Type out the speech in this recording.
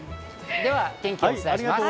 では天気を伝えします。